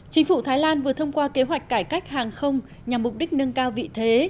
chính phủ thái lan vừa thông qua kế hoạch cải cách hàng không nhằm mục đích nâng cao vị thế